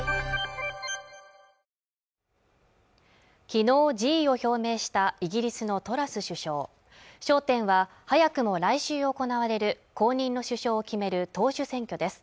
昨日辞意を表明したイギリスのトラス首相焦点は早くも来週行われる後任の首相を決める党首選挙です